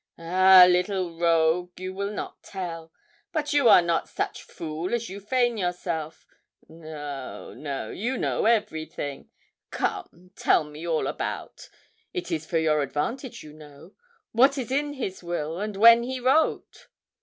'Ah, little rogue! you will not tell but you are not such fool as you feign yourself. No, no; you know everything. Come, tell me all about it is for your advantage, you know. What is in his will, and when he wrote?'